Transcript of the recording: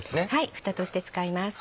フタとして使います。